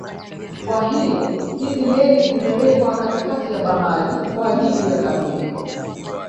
Kwa hiyo hizi meli zimewekwa katikati ya Bahari kwa ajili ya kazi hiyo